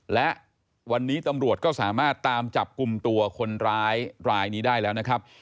และวันนี้ตำรวจก็สามารถตามจับกลุ่มตัวคนร้ายรายนี้ได้แล้วนะครับ